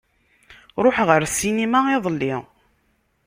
Ruḥeɣ ar ssinima iḍelli.